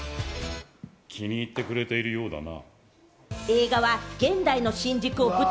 気に入ってくれているようだな。